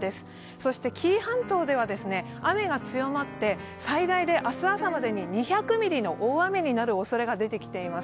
そして紀伊半島では雨が強まって最大で明日朝までに２００ミリの大雨になるおそれが出てきています。